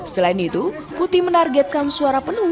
selain itu putih menargetkan suara penuh